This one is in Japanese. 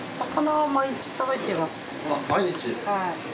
はい。